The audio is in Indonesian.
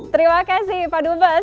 terima kasih pak dubes